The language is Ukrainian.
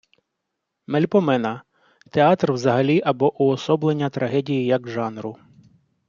Мельпомена - театр взагалі або уособлення трагедії як жанру